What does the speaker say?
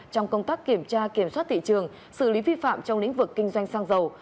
trong công tác kiểm tra kiểm soát thị trường xử lý vi phạm trong lĩnh vực kinh doanh xăng dầu